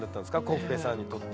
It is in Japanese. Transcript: コッフェさんにとって。